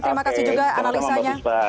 terima kasih juga analisanya